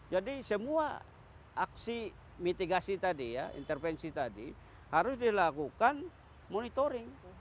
jadi semua aksi mitigasi tadi ya intervensi tadi harus dilakukan monitoring